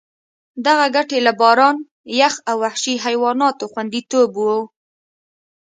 دغه ګټې له باران، یخ او وحشي حیواناتو خوندیتوب وو.